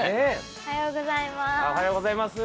おはようございます。